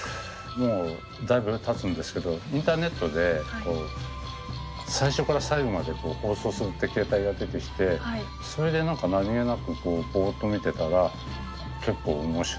もうだいぶたつんですけどインターネットでこう最初から最後までこう放送するって形態が出てきてそれで何か何気なくこうぼっと見てたら結構面白いっていうか。